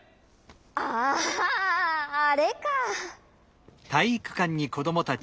あああれか！